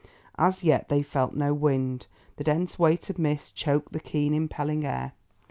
As yet they felt no wind. The dense weight of mist choked the keen, impelling air.